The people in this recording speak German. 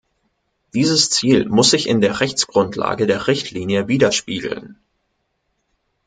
Dieses Ziel muss sich in der Rechtsgrundlage der Richtlinie widerspiegeln.